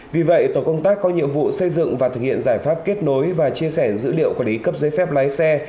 vì vậy tổ công tác có nhiệm vụ xây dựng và thực hiện giải pháp kết nối và chia sẻ dữ liệu quản lý cấp giấy phép lái xe